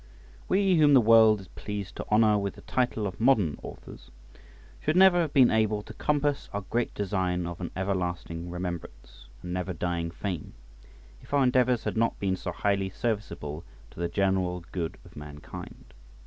WE whom the world is pleased to honour with the title of modern authors, should never have been able to compass our great design of an everlasting remembrance and never dying fame if our endeavours had not been so highly serviceable to the general good of mankind.